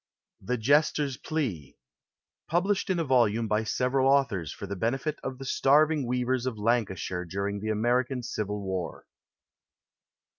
THE JESTER'S PLEA. [Published in a volume by several authors for the benefit of the starving weavers of Lancashire during the Ameri can civil war.